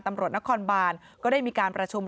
ตำรวจนครบานก็ได้มีการประชุม